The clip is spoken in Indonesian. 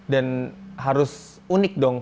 dan harus unik dong